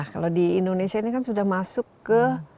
kalau di indonesia ini kan sudah masuk ke